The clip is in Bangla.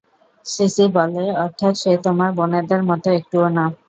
সিসি বলে, অর্থাৎ, সে তোমার বোনেদের মতো একটুও না।